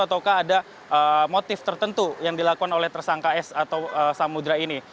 ataukah ada motif tertentu yang dilakukan oleh tersangka s atau samudera ini